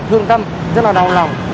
thương tâm rất là đau lòng